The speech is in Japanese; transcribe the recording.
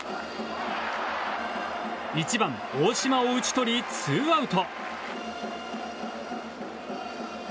１番、大島を打ち取りツーアウト。